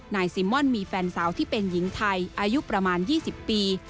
นายซิม่อนมีแฟนสาวที่เป็นหญิงไทยอายุประมาณ๒๐ปี